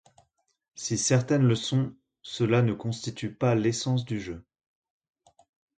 Si certaines le sont, cela ne constitue pas l'essence du jeu.